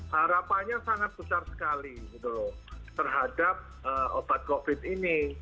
harapannya sangat besar sekali terhadap obat covid ini